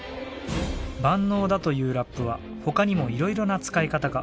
万能だというラップは他にも色々な使い方が。